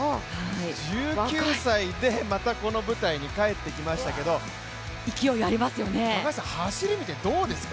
１９歳でまたこの舞台に帰ってきましたけど走り見て、どうですか？